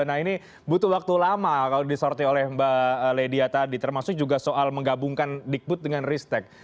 nah ini butuh waktu lama kalau disortir oleh mbak ledia tadi termasuk juga soal menggabungkan digbud dengan ristek